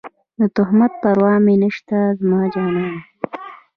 د تهمت پروا مې نشته زما جانانه